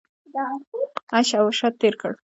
عیش او عشرت تېر کړ.